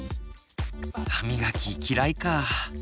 歯みがき嫌いか。